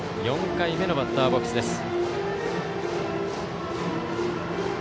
４回目のバッターボックスです。